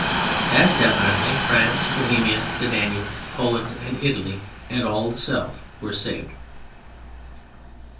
As definitely France, Bohemia, the Danube, Poland and Italy and all the South were saved.